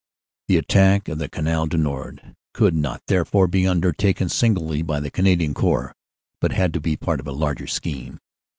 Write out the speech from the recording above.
"The attack of the Canal du Nord could not, therefore, be 172 CANADA S HUNDRED DAYS undertaken singly by the Canadian Corps, but had to be part of a larger scheme.